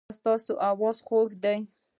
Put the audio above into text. ایا ستاسو اواز خوږ دی؟